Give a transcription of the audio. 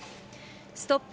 ストップ！